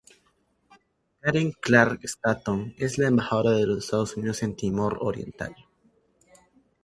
Karen Clark Stanton es la Embajadora de los Estados Unidos en Timor Oriental.